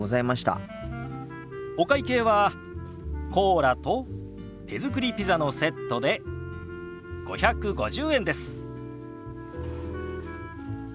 お会計はコーラと手作りピザのセットで５５０円です。